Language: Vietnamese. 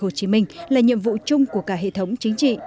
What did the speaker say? hội lý lãnh của mình là nhiệm vụ chung của cả hệ thống chính trị